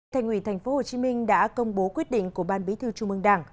thành ủy tp hcm đã công bố quyết định của ban bí thư trung mương đảng